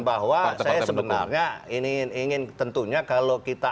bahwa saya sebenarnya ingin tentunya kalau kita